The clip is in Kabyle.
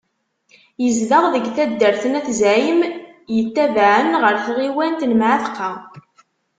Yezdeɣ deg taddart n At Zεim, yetabaεen ɣer tɣiwant n Mεatqa.